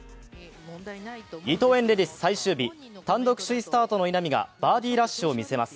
伊藤園レディス最終日、単独首位スタートの稲見がバーディーラッシュを見せます。